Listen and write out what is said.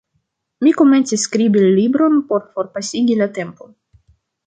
Mi komencis skribi libron por forpasigi la tempon.